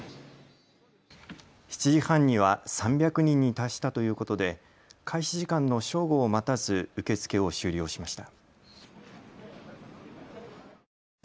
７時半には３００人に達したということで開始時間の正午を待たず受け付けを終了しました。